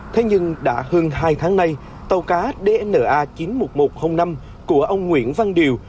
thế nhưng đã hơn hai tháng nay tàu cá dna chín trăm một mươi một năm của ông nguyễn văn điều